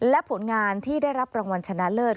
และผลงานที่ได้รับรางวัลชนะเลิศ